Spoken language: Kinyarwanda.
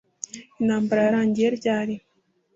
intambara yarangiye ryari